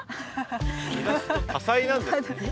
多才なんですね。